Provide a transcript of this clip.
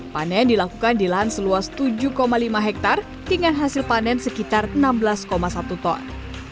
panen dilakukan di lahan seluas tujuh lima hektare dengan hasil panen sekitar enam belas satu ton